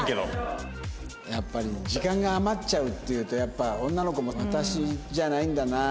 やっぱり時間が余っちゃうっていうと女の子も「私じゃないんだな」っていうのを。